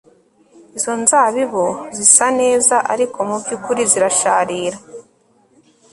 Izo nzabibu zisa neza ariko mubyukuri zirasharira